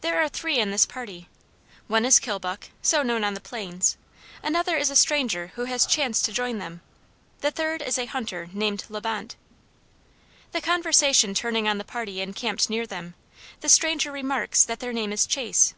There are three in this party: one is Kilbuck, so known on the plains, another is a stranger who has chanced to join them, the third is a hunter named La Bonte. The conversation turning on the party encamped near them, the stranger remarks that their name is Chase.